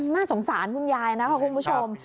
น่าสงสารคุณยายนะคะคุณผู้ชม